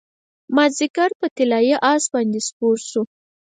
مازدیګر په طلايي اس باندې سپور شو